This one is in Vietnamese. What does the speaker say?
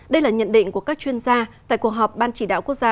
đây là nhận định của các chuyên gia tại cuộc họp ban chỉ đạo quốc gia